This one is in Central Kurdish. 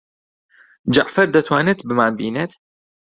جەعفەر دەتوانێت بمانبینێت؟